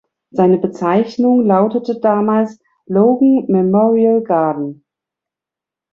Seine Bezeichnung lautete damals "Logan Memorial Garden".